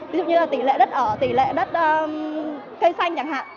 ví dụ như là tỷ lệ đất ở tỷ lệ đất cây xanh chẳng hạn